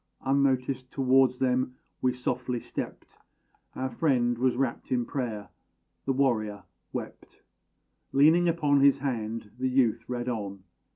Unnoticed, towards them we softly stept. Our friend was rapt in prayer; the warrior wept, Leaning upon his hand; the youth read on.